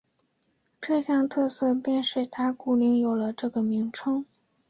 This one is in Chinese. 这项特色便使打鼓岭有了这个名称。